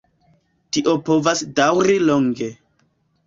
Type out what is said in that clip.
Tio povas daŭri longe.